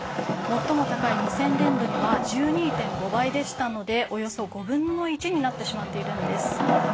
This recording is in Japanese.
最も高い２０００年度には１２．５倍でしたのでおよそ５分の１になってしまっているんです。